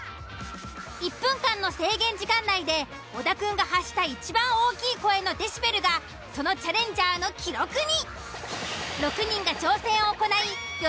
１分間の制限時間内で小田くんが発したいちばん大きい声のデシベルがそのチャレンジャーの記録に。